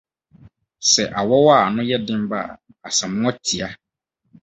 Sɛ awɔw a ano yɛ den ba a, Asamoah tia.